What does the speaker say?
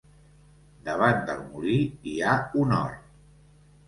Davant del molí hi ha un hort.